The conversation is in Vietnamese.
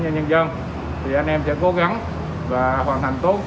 thì anh em sẽ cố gắng và hoàn thành tốt